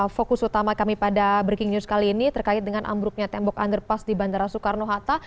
fokus utama kami pada breaking news kali ini terkait dengan ambruknya tembok underpass di bandara soekarno hatta